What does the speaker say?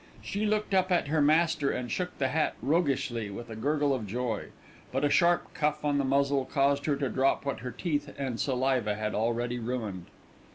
She looked up at her master and shook the hat roguishly with a gurgle of joy; but a sharp cuff on the muzzle caused her to drop what her teeth and saliva had already ruined.